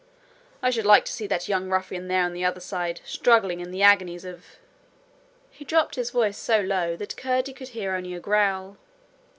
I should like to see that young ruffian there on the other side, struggling in the agonies of ' He dropped his voice so low that Curdie could hear only a growl.